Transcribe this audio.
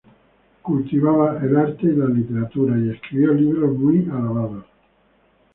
Cultivaba el arte y la literatura, y escribió libros muy alabados.